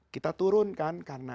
kita turun kan karena